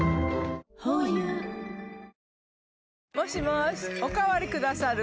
ｈｏｙｕもしもーしおかわりくださる？